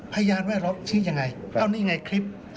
พยานแวดล้อมชี้ยังไงเอานี่ไงคลิป